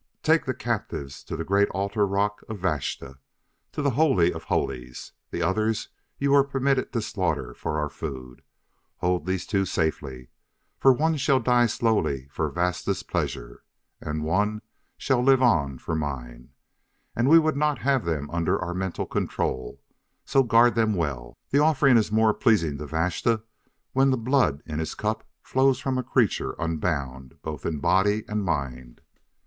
Take the captives to the great altar rock of Vashta, to the Holy of Holies. The others you were permitted to slaughter for our food; hold these two safely. For one shall die slowly for Vashta's pleasure, and one shall live on for mine. And we would not have them under our mental control, so guard them well; the offering is more pleasing to Vashta when the blood in his cup flows from a creature unbound both in body and mind."